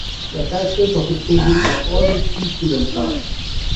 The characters of his paintings are always peaceful and calm.